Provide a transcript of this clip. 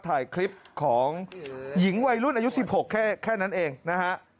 ถ่ายคลิปของหญิงวัยรุ่นอายุ๑๖แค่นั้นเองนะฮะ